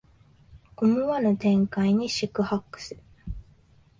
思わぬ展開に四苦八苦する